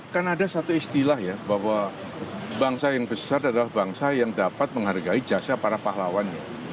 kan ada satu istilah ya bahwa bangsa yang besar adalah bangsa yang dapat menghargai jasa para pahlawan